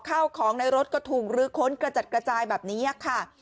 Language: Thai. ข้าวของในรถก็ถูกลื้อค้นกระจัดกระจายแบบนี้ค่ะ